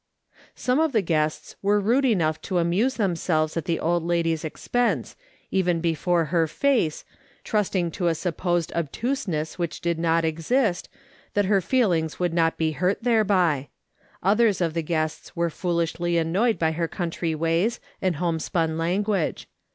Some of the guests were rude enough to amuse themselves at the old lady's expense, even before her face, trusting to a supposed obtuseness, which did not exist, that her feelings would not be hurt thereby ; others of the guests were foolishly annoyed by her country ways and homespun language.